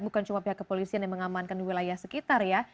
bukan cuma pihak kepolisian yang mengamankan wilayah sekitar ya